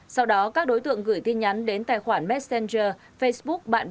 sau đó các đối tượng gửi tin nhắn đến tài khoản messenger facebook bằng tài khoản facebook cá nhân